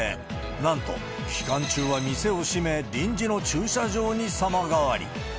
なんと、期間中は店を閉め、臨時の駐車場に様変わり。